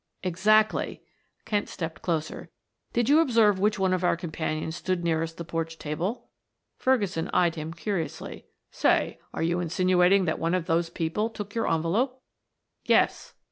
"Exactly." Kent stepped closer. "Did you observe which one of our companions stood nearest the porch table?" Ferguson eyed him curiously. "Say, are you insinuating that one of those people took your envelope?" "Yes."